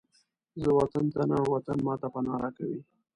زه وطن ته نه، وطن ماته پناه راکوي